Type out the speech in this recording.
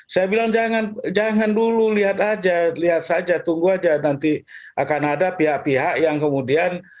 saya bilang jangan dulu lihat aja lihat saja tunggu aja nanti akan ada pihak pihak yang kemudian